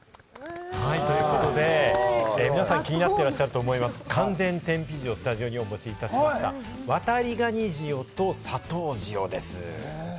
ということで、皆さん、気になっていらっしゃると思います、完全天日塩をスタジオにお持ちいたしました、ワタリガニ塩と砂糖塩です。